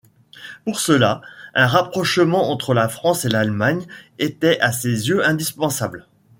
Pour cela, un rapprochement entre la France et l'Allemagne était à ses yeux indispensable.